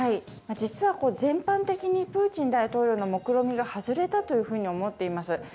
実は全般的にプーチン大統領の目論見が外れたと思っています。